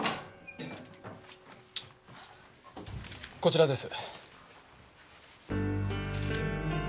こちらです。